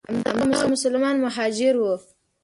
همدغه مسلمان مهاجر وو.